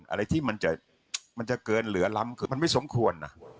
อะไรที่มันจะเกินเหลือล้ำคือมันไม่สมควรนะ